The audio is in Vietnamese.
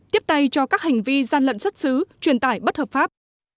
tiếp tay cho các hành vi gian lận xuất xứ truyền tải bất hợp pháp